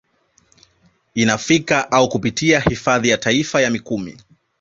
Inafika au kupitia hifadhi ya taifa ya Mikumi